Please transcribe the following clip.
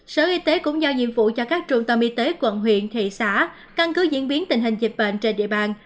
sở y tế cũng giao nhiệm vụ cho các trung tâm y tế quận huyện thị xã căn cứ diễn biến tình hình dịch bệnh trên địa bàn